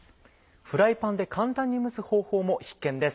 フライパンで簡単に蒸す方法も必見です。